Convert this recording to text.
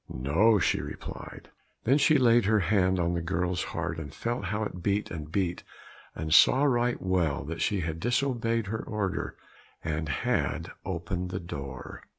"No," she replied. Then she laid her hand on the girl's heart, and felt how it beat and beat, and saw right well that she had disobeyed her order and had opened the door.